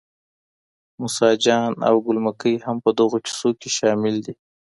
موسی جان او ګل مکۍ هم په دغو کیسو کي شامل دي.